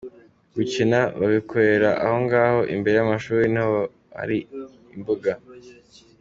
Gukina, babikorera aho ngaho imbere y’amashuri niho hari imbuga.